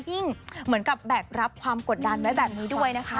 เหมือนกับแบกรับความกดดันไว้แบบนี้ด้วยนะคะ